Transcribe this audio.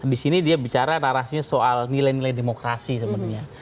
disini dia bicara narasinya soal nilai nilai demokrasi sebenarnya